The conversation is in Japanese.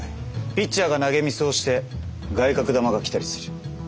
ピッチャーが投げミスをして外角球が来たりする。